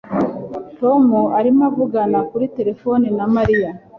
Tom arimo avugana kuri terefone na Mariya